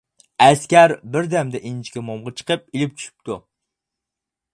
-، ئەسكەر بىر دەمدە ئىنچىكە مومىغا چىقىپ ئېلىپ چۈشۈپتۇ.